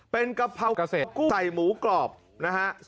เป็นกะเพราเกษตรใส่หมูกรอบนะฮะ